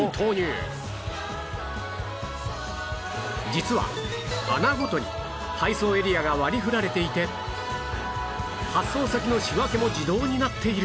実は穴ごとに配送エリアが割り振られていて発送先の仕分けも自動になっている